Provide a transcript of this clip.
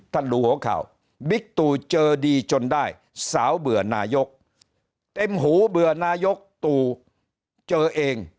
ดูหัวข่าวบิ๊กตู่เจอดีจนได้สาวเบื่อนายกเต็มหูเบื่อนายกตู่เจอเอง